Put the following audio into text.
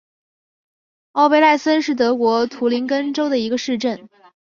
奥贝赖森是德国图林根州的一个市镇。